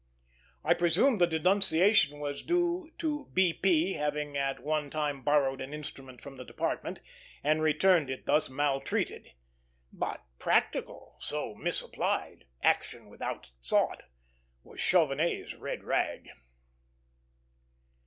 I presume the denunciation was due to B. P. having at one time borrowed an instrument from the department, and returned it thus maltreated. But "practical," so misapplied action without thought was Chauvenet's red rag.